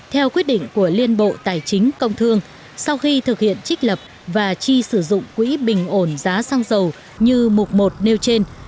theo quyết định của liên bộ tài chính công thương sau khi thực hiện trích lập và chi sử dụng quỹ bình ổn giá xăng dầu như mục một nêu trên